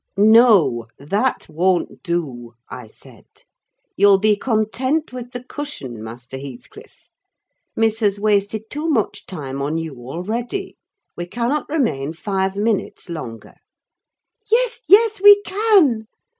"No, that won't do," I said. "You'll be content with the cushion, Master Heathcliff. Miss has wasted too much time on you already: we cannot remain five minutes longer." "Yes, yes, we can!"